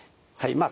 まあ